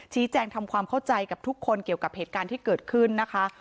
ทำความเข้าใจกับทุกคนเกี่ยวกับเหตุการณ์ที่เกิดขึ้นนะคะ